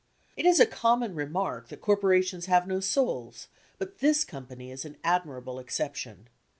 It is a common remark that corporations have no souls, but this company is an admirable exception.